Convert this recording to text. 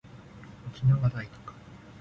沖縄大学